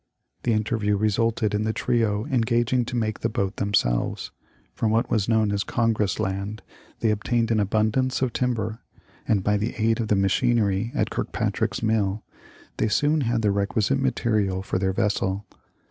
The interview resulted in the trio engaging to make the boat themselves. From what was known as " Congress land" they obtained an abundance of timber, and by the aid of the machinery at Kirkpatrick's mill they soon had the requisite material for their vessel.